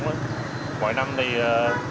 mỗi năm thì